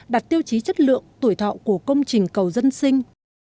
đặt tiêu chí chất lượng tuổi thọ của công trình cầu dân sinh